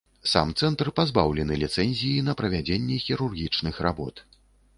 Сам цэнтр пазбаўлены ліцэнзіі на правядзенне хірургічных работ.